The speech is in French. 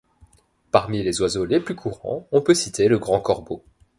Parmi les oiseaux les plus courants, on peut citer le Grand Corbeau.